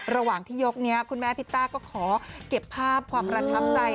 ระหว่างที่ยกนี้คุณแม่พิตต้าก็ขอเก็บภาพความประทับใจ